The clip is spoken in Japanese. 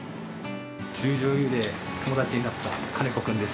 十條湯で友達になった金子君です。